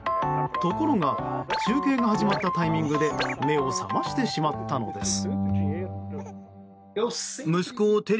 ところが中継が始まったタイミングで目を覚ましてしまったのです。